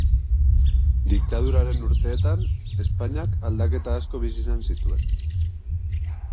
Diktaduraren urteetan, Espainiak aldaketa asko bizi izan zituen.